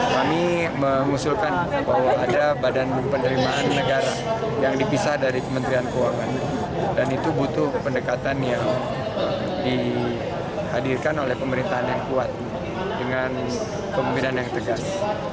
kami mengusulkan bahwa ada badan penerimaan negara yang dipisah dari kementerian keuangan dan itu butuh pendekatan yang dihadirkan oleh pemerintahan yang kuat dengan pemimpinan yang tegas